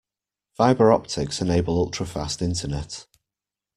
Fibre optics enable ultra-fast internet.